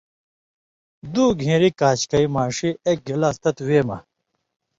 دُو گھېݩری کاشکئ، ماݜی ایک گلاس تتوۡ وے مہ